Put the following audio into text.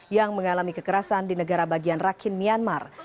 yang mengalami kekerasan di negara bagian rakin myanmar